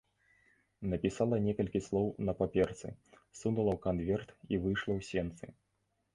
Напісала некалькі слоў на паперцы, сунула ў канверт і выйшла ў сенцы.